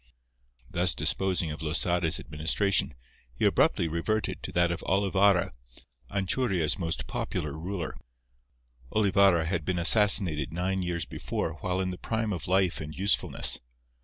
Thus disposing of Losada's administration, he abruptly reverted to that of Olivarra, Anchuria's most popular ruler. Olivarra had been assassinated nine years before while in the prime of life and usefulness.